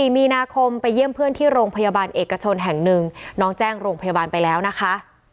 มีนาคมไปเยี่ยมเพื่อนที่โรงพยาบาลเอกชนแห่งหนึ่งน้องแจ้งโรงพยาบาลไปแล้วนะคะ